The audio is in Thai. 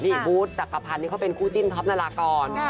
นี่บูธจักรพันธ์นี่เขาเป็นคู่จิ้นท็อปนารากร